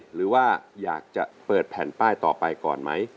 หรือว่าอยากจะเปิดแผ่นป้ายต่อไปก่อนไหม